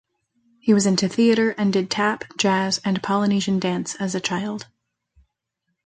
He was into theatre and did tap, jazz and Polynesian dance as a child.